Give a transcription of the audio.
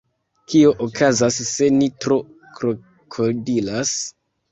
Kio okazas se ni tro krokodilas?